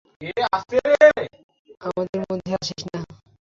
আমাদের মধ্যে আসিস না!